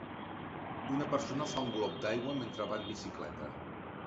Una persona fa un glop d'aigua mentre va en bicicleta.